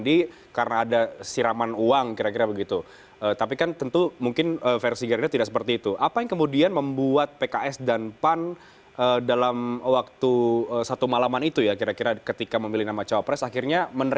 dan sudah tersambung melalui sambungan telepon ada andi arief wasekjen